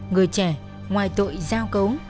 người trẻ ngoài tội giao cấu